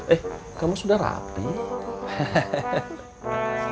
eh kamu sudah rapih